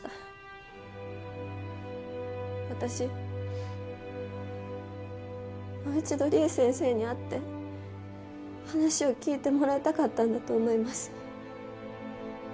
私もう一度りえ先生に会って話を聞いてもらいたかったんだと思います。